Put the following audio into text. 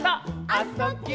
「あ・そ・ぎゅ」